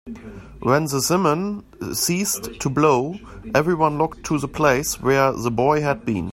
When the simum ceased to blow, everyone looked to the place where the boy had been.